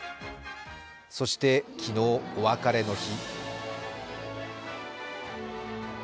そして昨日、お別れの日。